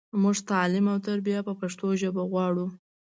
مونږ تعلیم او تربیه په پښتو ژبه غواړو